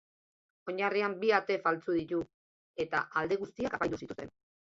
Oinarrian bi ate faltsu ditu eta alde guztiak apaindu zituzten.